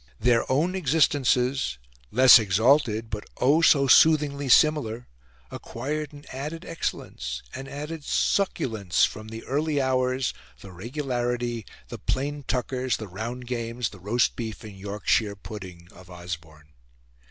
Their own existences, less exalted, but oh! so soothingly similar, acquired an added excellence, an added succulence, from the early hours, the regularity, the plain tuckers, the round games, the roast beef and Yorkshire pudding oft Osborne.